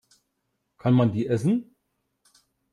Kann man die essen?